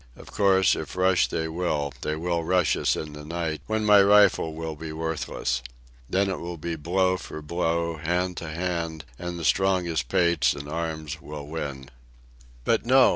Of course, if rush they will, they will rush us in the night, when my rifle will be worthless. Then it will be blow for blow, hand to hand, and the strongest pates and arms will win. But no.